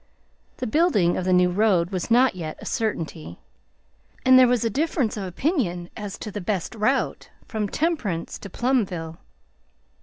The building of the new road was not yet a certainty, and there was a difference of opinion as to the best route from Temperance to Plumville.